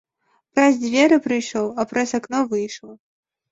Праз дзверы прыйшоў, а праз акно выйшаў.